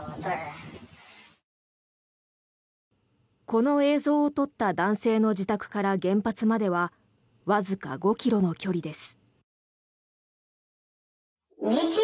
この映像を撮った男性の自宅から原発まではわずか５ｋｍの距離です。